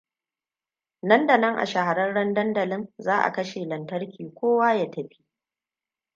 Nan-da-nan, a shahararren dandalin, za a kashe lantarki, kowa ya tafi.